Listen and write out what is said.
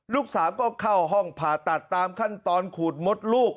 ลูกสาวก็เข้าห้องผ่าตัดตามขั้นตอนขูดมดลูก